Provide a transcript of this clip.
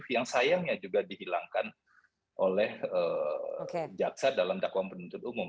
yang sayangnya juga dihilangkan oleh jaksa dalam dakwaan penuntut umum